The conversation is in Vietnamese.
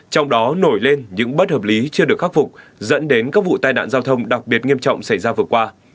trong đó nổi lên những bất hợp lý chưa được khắc phục dẫn đến các vụ tai nạn giao thông đặc biệt nghiêm trọng xảy ra vừa qua